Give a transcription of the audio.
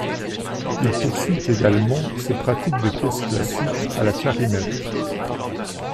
Il poursuit également ses pratiques de pièces classiques à la clarinette.